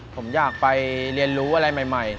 ผมอยากไปเรียนรู้อะไรใหม่